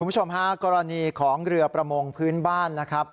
คุณผู้ชมฮะกรณีของเรือประมงพื้นบ้านนะครับ